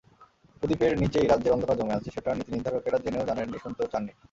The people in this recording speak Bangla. প্রদীপের নিচেই রাজ্যের অন্ধকার জমে আছে, সেটা নীতিনির্ধারকেরা জেনেও জানেননি, শুনতেও চাননি।